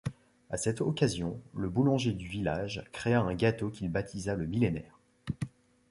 À cette occasion, le boulanger du village créa un gâteau qu'il baptisa le millénaire.